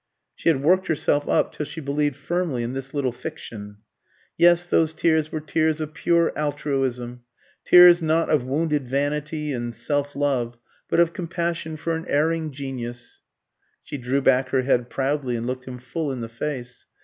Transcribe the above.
She had worked herself up till she believed firmly in this little fiction. Yes, those tears were tears of pure altruism tears not of wounded vanity and self love, but of compassion for an erring genius. She drew back her head proudly and looked him full in the face.